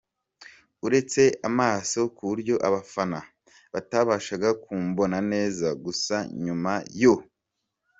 uretse amaso ku buryo abafana batabashaga kumubona neza, gusa nyuma yo.